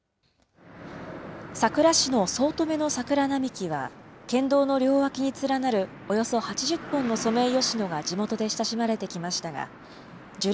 さくら市の早乙女の桜並木は、県道の両脇に連なるおよそ８０本のソメイヨシノが地元で親しまれてきましたが、樹齢